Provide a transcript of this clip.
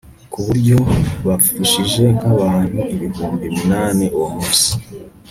ku buryo bapfushije nk'abantu ibihumbi munani uwo munsi